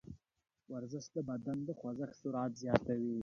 ورزش د بدن د خوځښت سرعت زیاتوي.